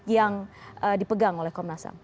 yang dipegang oleh komnas ham